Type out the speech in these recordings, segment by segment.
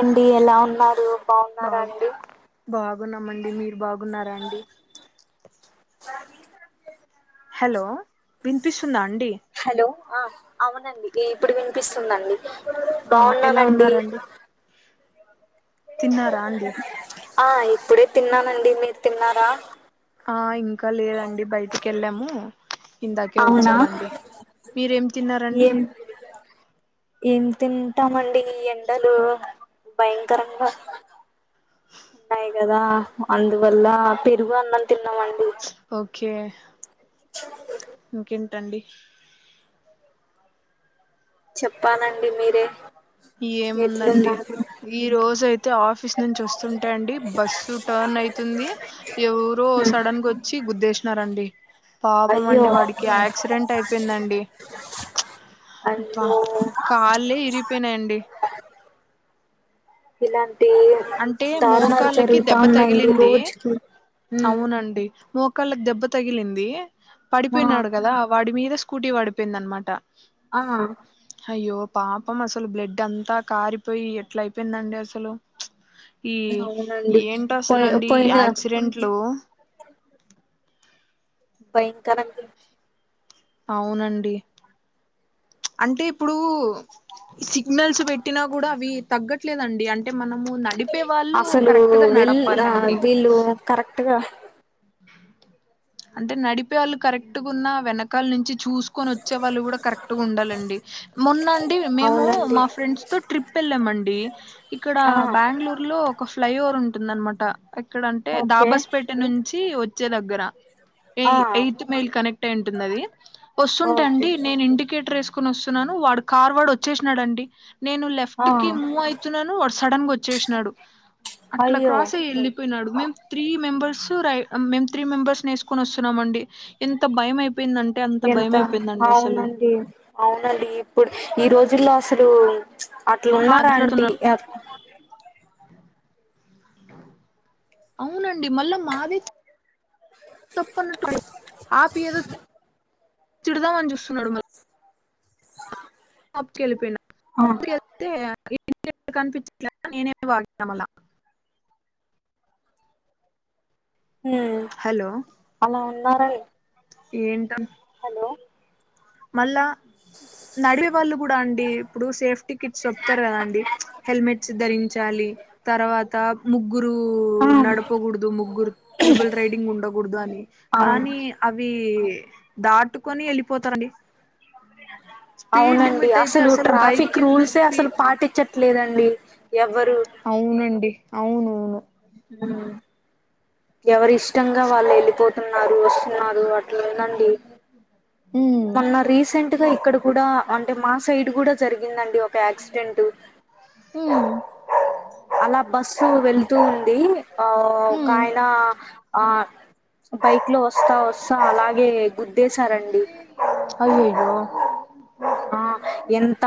ఉండి ఎలా ఉన్నారు బా బాగున్నారండి బాగున్నామండి మీరు బాగున్నారా అండి బాగి హలో వినిపిస్తుందా అండి హలో ఆ అవునండి ఇప్పుడు వినిపిస్తుందండి ఆ ఎలా బాగున్నానండి ఉన్నారండి తిన్నారా అండి ఆ ఇప్పుడే తిన్నానండి మీరు తిన్నారా ఆ ఇంకా లేదండి బయటికి వెళ్ళాము ఇందాకే అవునా వచ్చామండి మీరేం తిన్నారండి ఏం ఏం తింటమండి ఈ ఎండలు భయకరంగా ఉన్నాయి కదా అందువల్ల పెరుగు అన్నం తిన్నామండి ఓకే ఇంకేంటండి చెప్పాలండి మీరే ఏముందండి ఎట్లున్నారు ఈ రోజ అయితే ఆఫీస్ నుంచి వస్తుంటే అండి బస్సు టర్న్ అవుతుంది ఎవరో సడన్ గా వచ్చి గుద్దేసినారండి పాపం అయ్యో అండి వాడికి యాక్సిడెంట్ అయిపోయిందండి అబ్బా అయ్యో కళ్ళే ఇరిగిపోయినాయండి ఇలాన్ అంటే మోకాళ్ళకి దెబ్బ ఉన్నాయండి తగిలింది రోజుకి ఉమ్. అవునండి మోకాళ్ళ దెబ్బ తగిలింది ఆ పడిపోయినాడు కదా వాడి మీద స్కూటీ పడిపోయింది అనమాట ఆ అయ్యో పాపం అసలు బ్లడ్ అంతా కారిపోయి ఎట్లా అయిపోయిందండి అసలు ఈ అవునండి పోయి ఏంటసాలండి ఈ పోయిన ఆక్సిడెంట్లు భయంకరంగా అవునండి అంటే ఇప్పుడు సిగ్నల్స్ పెట్టినా కూడా అవి తగ్గట్లేదండి అంటే అంటే మనము నడిపే వాళ్ళు అసలు కరెక్ట్గా నడపాలండి ట్గా అంటే నడిపే వాళ్ళు కరెక్టుగున్న వెనకాల నుంచి చూసుకొని వచ్చే వాళ్ళు కూడా కరెక్ట్గా ఉండాలండి మొన్న అండి మేము అవునండి మా ఫ్రెండ్స్ తో ట్రిప్ వెళ్ళాండి ఇక్కడ ఆ బెంగళూరులో ఒక ఫ్లై ఓవర్ ఉం ఉంటుందనమాట ఎక్కడ అంటే ఓకే దాబాస్పేట నుంచి వచ్చే దగ్గర ఆ ఎయి ఎయిత్ మెయిల్ కనెక్ట్ అయి ఉంటుంది అది వస్తుంటా ఓకే అండి నేను ఇండికేటర్ వేసుకు ని వస్తున్నాను వాడు కార్ వాడు వచ్చేసినాడు అండి నేను ఆ లెఫ్ట్ కి మూవ్ అయితున్నాను సడన్ గా వచ్చేసినాడు అట్ల అయ్యో క్రాస్ అయి వెళ్ళిపోయినాడు మేము త్రీ మెంబర్స్ మేం త్రీ మెంబర్స్ నేసుకొని వస్తున్నాం అండి ఎంత భయం అయి ఎంత అవునండి అవునండి ఇప్పుడు ఈ రోజుల్లో అసలు అట్లా ఉన్నార ఆంటీ మాట్లాడుతున్నాడు అవునండి మళ్ళా మాదె తప్పన్నటు ఆపి ఏదో తిడదామని చూస్తున్నాడు మరి షాప్పు ఆ! కెలిపనాతే కనిపించట్ల నేనేమి వాగ అలా మళ్ల ఉ హలో అలా ఉన్నారని ఏంట హలో మళ్ళా నడివే వాళ్ళు కూడా అండి ఇప్పుడు సేఫ్టీ కిట్స్ చెప్తరు కదా అండి హెల్మెట్స్ ధరించాలి తర్వాత ముగ్గురు ఆ నడపకూడదు ముగ్గురు త్రిబుల్ రైడింగ్ ఉండకూడదు అని అవును కానీ అవి దాటుకొని వెళ్ళిపోతారని అవునండి లిమిట్ అయితే అసలు బైక్ ట్రాఫిక్ కి ఉన్న రూల్సే స్పీ అసలు పాటిచట్లేదండి అవునండి అవును అవును ఎవరి ఇష్టంగా వాళ్ళు వెళ్ళిపోతున్నారు వస్తున్నారు అట్లానండి ఉమ్ మొన్న రీసెంట్ గా ఇక్కడ కూడా అంటే మా సైడ్ కూడా జరిగిందండి ఒక యాక్సిడెంట్ ఉమ్ అలా బస్సు వెళ్తూ ఉంది ఆ ఒక ఉమ్ ఆయన ఆ బైక్ లో వస్తా వస్తా అలాగే గుద్దేశారండి ఒ ఆ ఎంత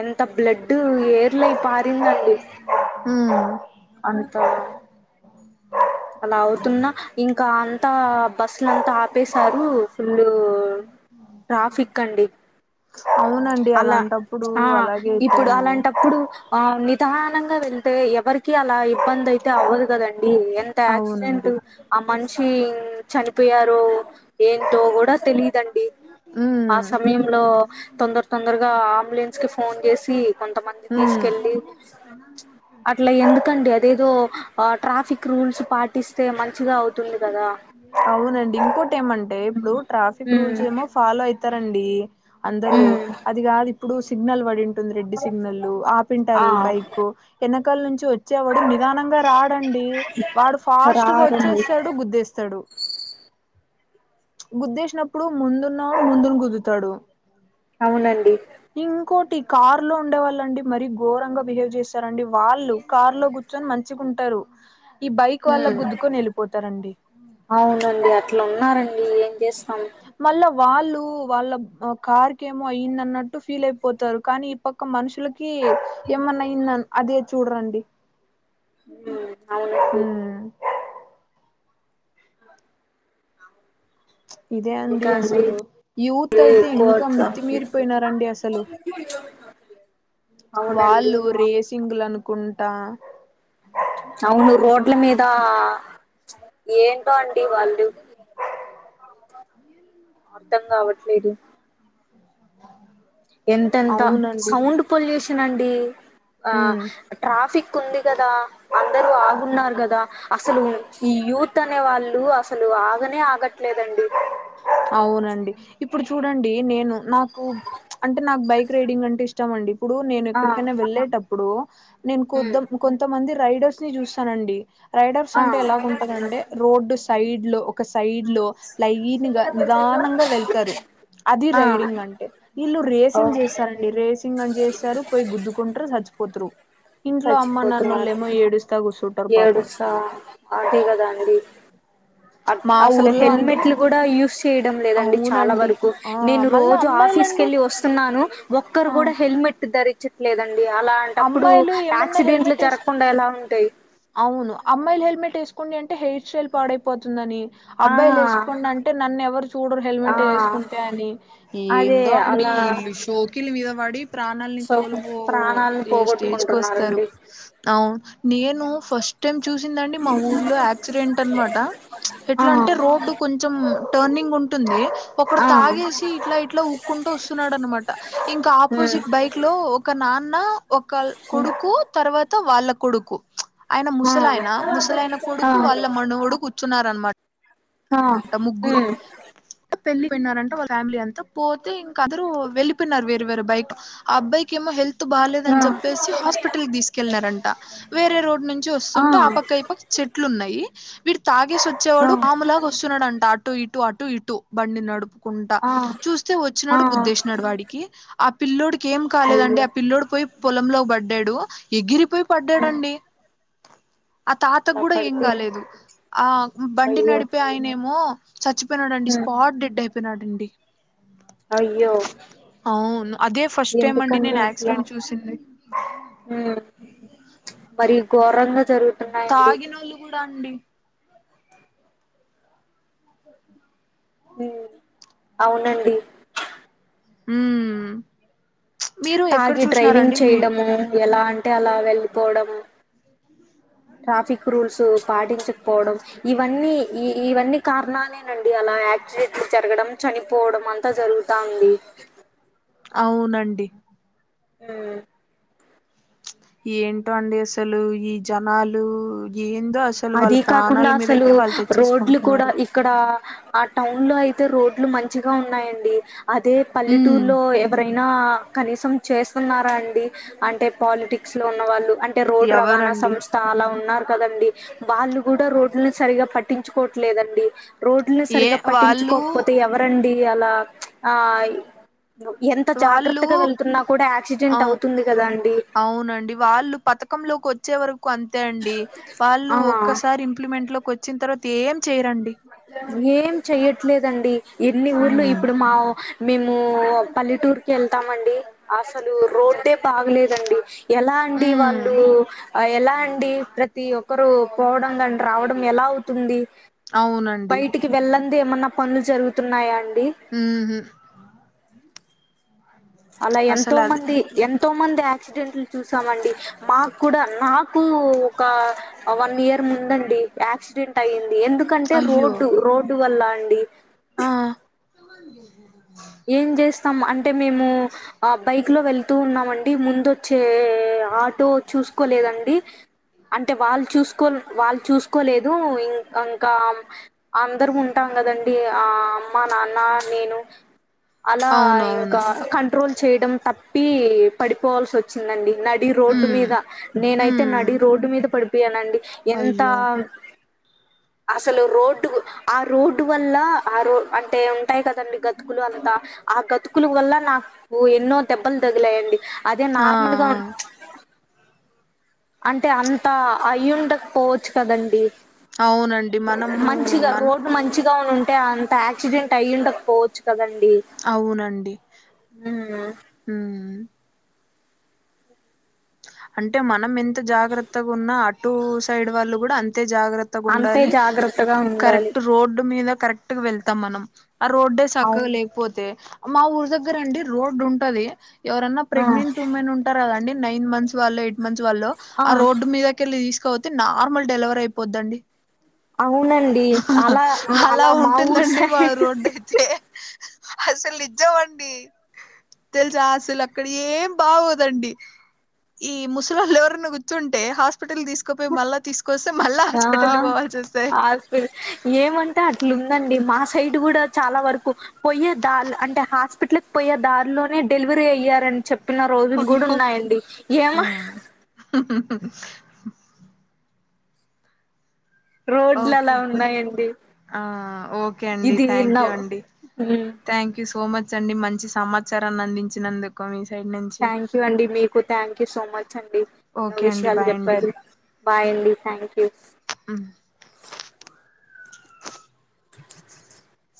ఎంత బ్లడ్ ఏర్లై పారిందండి ఉమ్ అంత అలా అవుతున్నా ఇంకా అంతా బస్సులం త ఆపేశారు ఫుల్ ట్రాఫిక్ అండి అవునండి అలా అలాంటప్పుడు ఆ అలాగే ఇప్పుడు అయిపోయింది అలాంటప్పుడు ఆని నిదానంగా వెళ్తే ఎవరికి అలా ఇబ్బంది అయితే అవ్వదు కదండి ఆక్సిడెంట్ అవునండి మనుషి చనిపోయారు ఏంటో కూడా తెలియదండి ఆ ఉమ్ సమయంలో తొందర తొందరగా అంబులెన్స్ కి ఫోన్ చేసి కొంతమంది ఉమ్ తీసుకెళ్ళి అట్లా ఎందుకండి అదేదో ట్రాఫిక్ రూల్స్ పాటిస్తే మంచిగా అవుతుంది కదా అవునండి ఇంకోటి ఏమంటే ఇప్పుడు ట్రాఫిక్ ఉమ్ రూల్స్ ఏమో ఫాలో అయితారండి అందరు ఉమ్ అది కాదు ఇప్పుడు సిగ్నల్ పడి రెడ్డి సిగ్నల్ ఆ ఆపింటారు బైక్ ఎనకాల నుంచి వచ్ వచ్చేవాడు నిదానంగా రాడండి వాడు ఫాస్ట్గా రారండి వచ్చేస్తాడు గుద్దేస్తాడు గుద్దేసినప్పుడు ముందున్నా వాడు ముందును గుద్దుతాడు అవునండి ఇంకోటి కార్ లో ఉండేవాళ్ళండి మరీ ఘోరంగా బిహేవ్ చేస్తారండి వాళ్ళు కార్ లో కూర్చొని మంచిగుంటారు ఈ బైక్ వాళ్ళ ఉమ్ గుద్దుకొని వెళ్ళిపోతారండి ఉనండి అట్లా ఉన్నారండి ఏం చేస్తాం మళ్ళా వాళ్ళు వాళ్ళ కార్ కేమో అయిందన్నట్టు ఫీల్ అయిపోతారు కానీ ఈ పక్క మనుషులకి కీ ఏమన్నా అయిందా అదే చూడరండి ఉ అవునండి ఉమ్ ఇదే అండి అసలు యూత్ అయితే ఎక్కువ ఇంకా ట్రాఫిక్ మిత్తిమీరిపోయినారండి అసలు అవునండి వాళ్ళు రేసింగ్లనుకుంటా అవును రోడ్ల మీద ఏంటో అండి వాళ్ళు అర్థం కావట్లేదు ఆ ఎంతెంత సౌండ్ పొల్యూషన్ అండి ఆ ఉమ్ ట్రాఫిక్ ఉంది కదా అందరూ ఆగున్నారు కదా అసలు ఈ యూత్ త్ అనే వాళ్ళు అసలు ఆగనే ఆగట్ అవునండి ఇప్పుడు చు చూడండి నేను నాకు అంటే నాకు బైక్ రైడింగ్ అంటే ఇష్టం అండి ఇప్పుడు నేను ఆ ఎక్కడికైనా వెళ్ళేటప్పుడు నేను ఉమ్ కొద కొంతమంది రైడర్స్ ని చూస్తానండి రైడర్స్ ఆ అంటే ఎలాగుంటరంటే రోడ్డు సైడ్ లో ఒక సైడ్ లైనిగా నిదానంగా వెళ్తారు అది ఆ రైడింగ్ అంటే వీళ్ళు ఓ రేసింగ్ చేస్తారండి రేసింగ్ అని చేస్తారు పోయి గుద్దుకుంటారు సచ్ పోతురు ఇంట్లో అమ్మ నాన్నోళ్ళేమో ఏడుస్తా కూసు ఏడుస్సా అదే కాదండి అట్ మా అసలు ఊర్లో అండి హెల్మెట్లు కూడా యూస్ చేయడం లేదండి చాలా అవునండి వరకు ఆ నేను మళ్ళా రోజు ఆఫీస్ అమ్మాయిలండి కెళ్ళి వస్తున్నాను ఒక్కరు ఆ కూడా హెల్మెట్ ధరి చ్చట్లేదండి అలాంటప్పుడు అమ్మాయిలు ఏమన్నా యాక్సిడెంట్లు హెల్మెట్ వేసు జరగకుండా ఎలా ఉంటాయి అవును అమ్మాయిలు హెల్మెట్ ఏసుకొండి అంటే హెయిర్ స్టైల్ పాడైపోతుందని ఆ అబ్బాయిలు వేసుకోండంటే నన్ను ఎవరు చూడరు ఆ హెల్మెట్ వేసుకుంటే అని అదే ఏందో అండి అలా ఇల్ షోకిల మీద పడి ప్రాణాలని సో కోల్పో ప్రాణాలను ఏ స్టేజ్ కు వస్తారు పోగొట్టుకుంటున్నారండి అవ్ ఫస్ట్ టైమ్ చూసిందండి మా ఊర్లో యాక్సిడెంట్ అన్మాట ఆ ఎట్లా అంటే రోడ్డు కొంచెం టర్నింగ్ ఉంటుంది ఒకడు ఆ తాగేసి ఇట్లా ఇట్లా ఊక్కుంటూ వస్తున్నాడు అనమాట ఇంకా ఉమ్ ఆపోజిట్ బైక్ లో ఒక నాన్న ఒక ఉమ్, కొడుకు తర్వా వాళ్ళ కొడుకు ఆయన ఆ ముసలాయన ముసలైన ఆ కొడుకు వాళ్ళ మనవుడు కూర్చున్నారనమా ఆ ఉ పెళ్లికి పోయినారంట వాళ్ళ ఫ్యామిలీ అంతా పోతే ఇంకా అందరుూ వెళ్లిపోయినారు వేరే వేరే బైక్ ఆ అబ్బాయి ఏమో హెల్త్ త్ ఆ బాలేదని చెప్పేసి హాస్పిటల్ కి తీసుకెళ్ళనారంట వేరే రోడ్ నుంచి వస్తుంటే ఆ పక్క ఈ పక్క చెట్లు ఉన్నాయి వీడు తాగేసి ఆ వచ్చేవాడు పాములాగా వస్తున్నడంట అటు ఇటు అటు ఇటు బండి నడుపుకుంటా ఆ చూస్తే ఆ వచ్చినాడు గుద్దేసినాడు వాడికి ఆ పిల్లోడికి ఏం అయ్యో కాలేదండి ఆ పిల్లోడు పోయి పొలంలోకి పడ్డాడు ఎగిరి పోయి ఉమ్ పడ్డాడండి ఆ తాత అలా గుడా ఏం పడితే కాలేదు ఆ బండి అయ్యో నడిపే ఆయనేమో చచ్చిపోయినాడండి ఉమ్, స్పాట్ డెడ్ అయిపోయినాడండి అయ్యో అవును అదే ఫస్ట్ టైమ్ అండి నేను యాక్సిడెంట్ చూసింది మ్ మరి ఘోరంగా జరుగుతున్నాయండి తాగినోళ్ళు కూడా అండి మ్ అవునండి హ్మ్ తాగి డ్రైవింగ్ చేయడము ఎలా అంటే అలా వెళ్ళిపోవడము ట్రాఫిక్ రూల్స్ పాటించకపోవడం ఇవన్నీ ఈ ఇవన్నీ కారణాలే అండి అలా యాక్సిడెంట్లు జరగడం చనిపోవడం అంతా జరుగుతాంది అవునండి మ్ ఈ ఎంటో అండి అసలు ఈ జనాలు ఏం అది కాకుండా అసలు రోడ్లు కూడా తెచ్చేసుకుంటున్నారు ఇక్కడ ఆ టౌన్ లో అయితే రోడ్లు మంచిగా ఉన్నాయండి అదే ఉమ్ పల్లెటూరులో ఎవరైనా కనీసం చేస్తున్నారా అండి అంటే పాలిటిక్స్ లో ఉన్న వాళ్ళు అంటే రోడ్ రవాణా ఎవరండి సంస్థ అలా ఉన్నారు కదండి వాళ్ళు కూడా రోడ్లను సరిగా పట్టించుకోవట్లేదండి రోడ్లని ఏ సరిగా వాళ్ళు పట్టించుకోకపోతే ఎవరండి అలా ఆ ఎంత వాళ్ళు జాగ్రత్తగా వెళ్తున్నా కూడా యాక్సిడెంట్ ఆ అవుతుంది కదా అండి కంలోకి వచ్చే వరకు అంతే అండి వాళ్ళు ఆ ఒక్కసారి ఇంప్లిమెంట్ లోకి వచ్చిన తర్వాత ఏం చేరండి ఏం చెయ్యట్లేదండి ఎన్ని ఊర్లు హ్మ్. ఇప్పుడు మా మేము పల్లెటూర్కిి వెళ్తామండి అ అసలు రోడ్డే బాగలేదండి ఎలా అండి వాళ్ళు హ్మ్. ఎలా అండి ప్రతి ఒక్ క్కరు పోవడం కాని రావడం ఎలా అవుతుంది అవునండి. బయటికి వెళ్ళ ది ఏమన్నా పనులు జరుగుతున్నాయా మ్ హు అలా ఎంతో అసలది మంది ఎం తో మంది యాక్సిడెంట్లు చూసామండి మాకు కూడా నాకు ఒక వన్ ఇయర్ ముందండి యాక్సిడెంట్ అయ్యంది ఎందుకంటే అయ్యో! రోడ్డు రోడ్డు వల్ల అండి ఆ ఏం చేస్తాం అన్ అంటే మేము ఆ బైక్ లో వెళ్తూ ఉన్నామండి ముందు వచ్చే ఆట్ ో చూసుకోలేదండి అంటే వాళ్ళు చూసుకో వాళ్ళు చూసుకోలేదు ఇం ఇంకా అందరం ఉంటాం కదండీ ఆ అమ్మ నాన్న నేను అలా ఇంకా అవునవును. కంట్రోల్ చేయడం తప్పి పడిపోవల్సి వచ్చిందండి నడి రోడ్డు హ్మ్. మీద నేనైతే నడి హ్మ్. రోడ్డు మీద పడిపోయానండి ఎంత అయ్యో! అసలు రోడ్డు ఆ రోడ్డు వల్ల ఆ రోడ్ అంటే ఉంటాయి కదండి గత్ కులు అంతా ఆ గతుకుల వల్ల నాకు ఎన్నో దెబ్బలు తగిలాయండి అదే ఆ! ఆ! నార్మల్ గా ఉం [inaudible] అంటే అంత అయ్యుండక పోవచ్చు కదండి అవునండి. మనము మంచిగా మన్ రోడ్డు మంచిగా ఉనుం టే అంత యాక్సిడెంట్ అయ్యు ఉండకపోవచ్చు కదం అవునండిమ్ ఉమ్, అంటే మనం ఎంత జాగ్రత్తగా ఉన్నా అటు సైడ్ వాళ్ళు కూడా అం అంతే జాగ్రత్తగా అంతే ఉండాలి జాగ్రత్తగా ఉండాలి కరెక్ట్ రోడ్డు మీద కరెక్ట్గా వెళ్తాం మనం ఆ రోడ్డే చక్కగా అవును లేకపోతే మా ఊరు దగ్గర అండి రోడ్ ఉంటది ఎవరైన్నా ఆ, ప్రెగ్నెంట్ ఉమెన్ ఉంటారు కదండి నైన్ మంత్స్ వాళ్ళు ఎయిట్ మంత్ వాళ్ళ ఆ రోడ్డు మీదకెళ్ళి తీసుకపోతే నార్మల్ డెలివరీ అయిపోద్దండి అవునండి అలా అలా మా ఊరు ఉంటుందండి మా సైడ్ రోడ్ అయితే అసలు నిజ్జమండి తెలుసా అసలు అక్కడ ఏం బాగోదండి ఈ ముసలాళ్లు ఎవరన కూర్చుంటే హాస్పి హాస్పిటల్ తీసుకుపోయి మళ్ళీ తీసుకొస్తే మళ్ళీ ఆ హాస్పిటల్కి పోవాల్సి వస్తాయి హాస్పిటల్ ఏమంటే అట్లుందండి మా సైడ్ కూడా చాలా వరకు పోయే ద అంటే హాస్పిటల్ పోయే దారిలోనే డెలివరీ అయ్యారని చెప్ప చెప్పిన రోజులు కూడా అయ్యో ఉన్నాయండి ఏమ రోడ్లు అలా ఓకే ఉన్నాయండి ఆ ఓకే అండి ఇది థ్యాంక్ యూ నవ్ అండి ఉమ్, థ్యాంక్ యూ సో మచ్ అండి మంచి సమాచారాన్ని అందించినందుకు మీ సైడ్ నుంచి థ్యాంక్ యూ అండి మీకు థ్యాంక్ యూ సో మచ్ అండి ఎన్నో ఓకే అండి విషయాలు బాయ్ చెప్పారు బాయ్ అండి థ్యాంక్ యూ ఉ [inaudible]